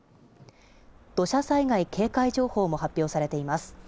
土砂災害警戒情報も発表されています。